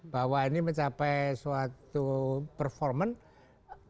bahwa ini mencapai suatu performance